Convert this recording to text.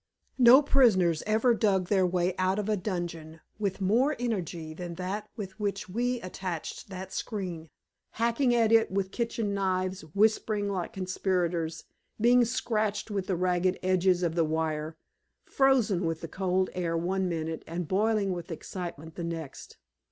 No prisoners ever dug their way out of a dungeon with more energy than that with which we attached that screen, hacking at it with kitchen knives, whispering like conspirators, being scratched with the ragged edges of the wire, frozen with the cold air one minute and boiling with excitement the next.